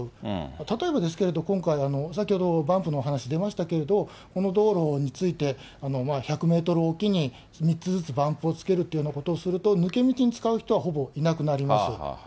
例えばですけれども、今回、先ほど、バンプの話出ましたけれども、この道路について１００メートル置きに３つずつバンプをつけるというようなことをすると、抜け道に使う人はほぼいなくなります。